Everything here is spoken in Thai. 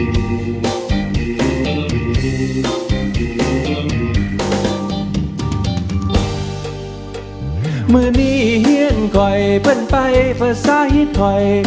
เมื่อมีเหี้ยนก่อยเพื่อนไปฝสาหิดคอย